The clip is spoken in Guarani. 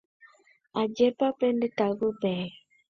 Ajépa pendetavy peẽ.